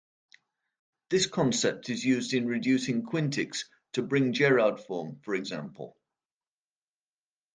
This concept is used in reducing quintics to Bring-Jerrard form, for example.